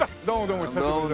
お久しぶりで。